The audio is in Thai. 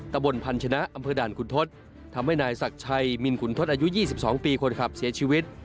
ตะบนพันธนะอำเภอด่านขุนทศทำให้นายศักดิ์ชัยมินขุนทศอายุ๒๒ปีคนขับเสียชีวิต